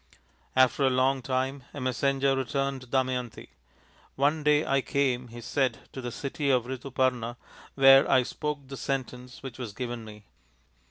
After a long time a messenger returned to Dama yanti. " One day I came, 5 ' he said, " to the city of Rituparna, where I spoke the sentence which was given me.